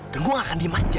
dan saya tidak akan dimanja